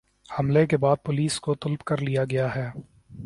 حملے کے بعد پولیس کو طلب کر لیا گیا ہے